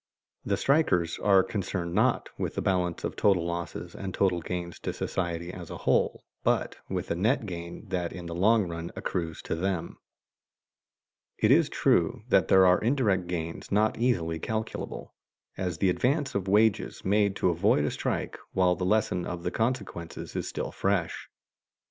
The strikers are concerned not with the balance of total losses and total gains to society as a whole, but with the net gain that in the long run accrues to them. It is true that there are indirect gains not easily calculable, as the advance of wages made to avoid a strike while the lesson of the consequences is still fresh.